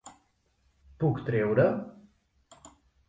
Puc treure...?